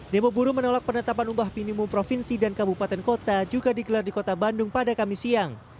demo buruh menolak penetapan upah minimum provinsi dan kabupaten kota juga digelar di kota bandung pada kamis siang